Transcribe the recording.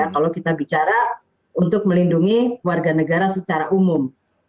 kalau kita bicara untuk melindungi warga negara secara umum